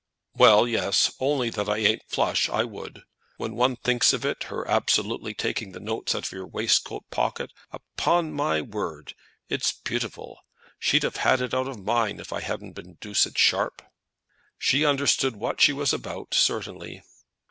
"Well, yes; only that I ain't flush, I would. When one thinks of it, her absolutely taking the notes out of your waistcoat pocket, upon my word it's beautiful! She'd have had it out of mine, if I hadn't been doosed sharp." "She understood what she was about, certainly."